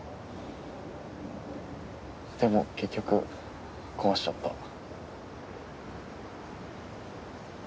でも結局壊しちゃった。